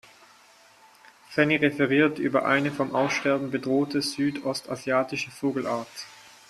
Fanny referiert über eine vom Aussterben bedrohte südostasiatische Vogelart.